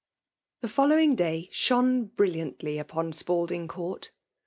The following day shone brilliantly upon Spalding Court.